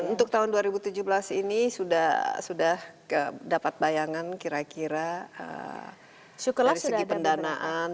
untuk tahun dua ribu tujuh belas ini sudah dapat bayangan kira kira dari segi pendanaan